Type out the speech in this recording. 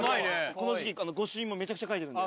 この時季御朱印もめちゃくちゃ書いてるんで。